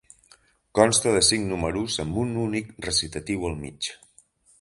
Consta de cinc números, amb un únic recitatiu al mig.